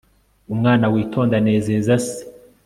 umwana witonda anezeza se